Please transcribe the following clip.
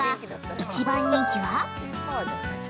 １番人気は。